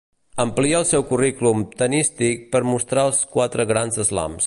Amplia el seu currículum tennístic per mostrar els quatre Grand Slams.